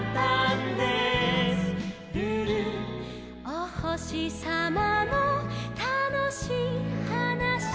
「おほしさまのたのしいはなし」